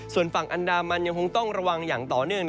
ส่วนฝั่งอันดามันยังคงต้องระวังอย่างต่อเนื่อง